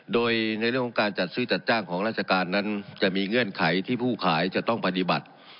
โดยในเรื่องของการจัดซื้อจัดจ้างของราชการนั้นจะมีเงื่อนไขที่ผู้ขายจะต้องปฏิบัติ